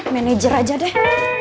manager aja deh